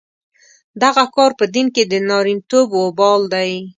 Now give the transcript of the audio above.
دغه کار په دین کې د نارینتوب وبال دی.